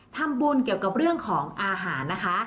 ทำบุญเกี่ยวกับเรื่องของอาหารนะคะ